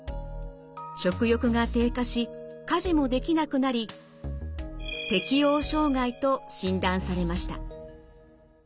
食欲が低下し家事もできなくなり適応障害と診断されました。